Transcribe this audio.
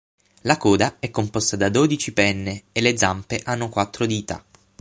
La coda è composta da dodici penne, e le zampe hanno quattro dita.